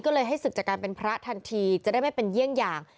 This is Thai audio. ก็เลยให้ศึกจากการเป็นพระทันทีจะได้ไม่เป็นเยี่ยงอย่าง